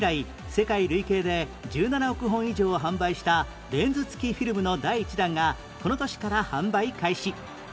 世界累計で１７億本以上販売したレンズ付きフィルムの第一弾がこの年から販売開始